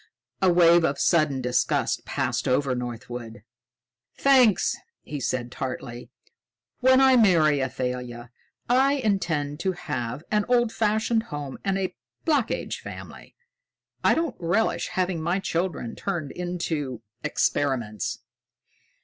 A wave of sudden disgust passed over Northwood. "Thanks," he said tartly. "When I marry Athalia, I intend to have an old fashioned home and a Black Age family. I don't relish having my children turned into experiments."